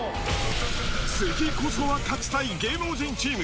次こそは勝ちたい芸能人チーム。